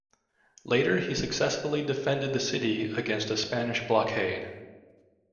Later, he successfully defended the city against a Spanish blockade.